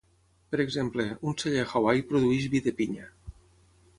Per exemple, un celler a Hawaii produeix vi de pinya.